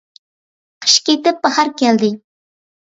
قىش كېتىپ باھار كەلدى.